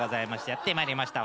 やってまいりました。